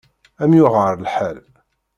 Ad m-yuεer lḥal.